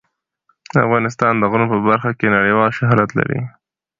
افغانستان د غرونه په برخه کې نړیوال شهرت لري.